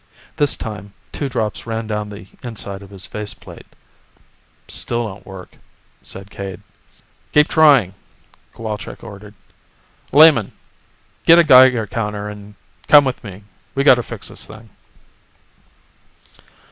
This time, two drops ran down the inside of his faceplate. "Still don't work," said Cade. "Keep trying," Cowalczk ordered. "Lehman, get a Geiger counter and come with me, we've got to fix this thing."